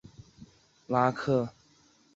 海牙大学的主校区即位在拉克。